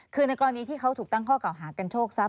คือในกรณีที่เขาถูกตั้งข้อเก่าหากันโชคทรัพ